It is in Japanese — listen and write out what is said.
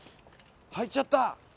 入っちゃった。